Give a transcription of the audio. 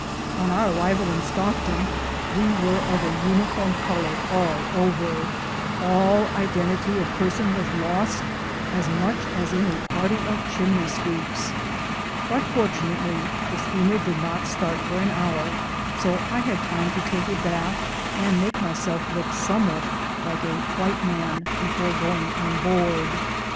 On our arrival in Stock ton we were of a uniform color all over — all identity of person was lost as much as in a party of chimney sweeps; but fortunately the steamer did not start for an hour, so I had time to take a bath, and make myself look somewhat like a white man before going on board.